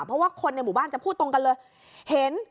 เพราะว่าคนในหมู่บ้านจะพูดตรงกันเลยเห็น